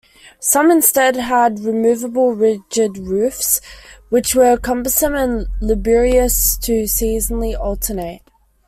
Some instead had removable rigid roofs, which were cumbersome and laborious to seasonally alternate.